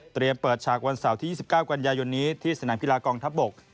เปิดฉากวันเสาร์ที่๒๙กันยายนนี้ที่สนามกีฬากองทัพบก